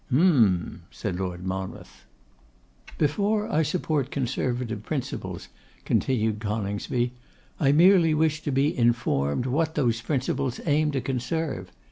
'Hem!' said Lord Monmouth. 'Before I support Conservative principles,' continued Coningsby, 'I merely wish to be informed what those principles aim to conserve.